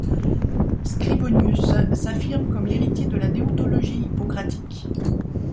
Scribonius s'affirme comme l'héritier de la déontologie hippocratique.